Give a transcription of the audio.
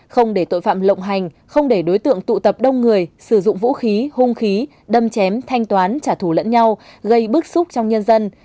không để tội phạm lộng hành không để đối tượng tụ tập đông người sử dụng vũ khí hung khí đâm chém thanh toán trả thù lẫn nhau gây bức xúc trong nhân dân